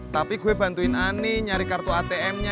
tapi gue bantuin ani nyari kartu atm nya